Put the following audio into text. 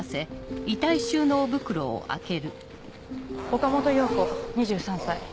岡本洋子２３歳。